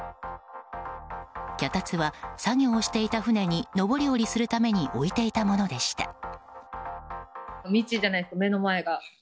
脚立は作業をしていた船に上り下りするために置いていたものでした。